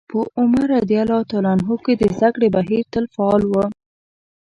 په عمر رض کې د زدکړې بهير تل فعال و.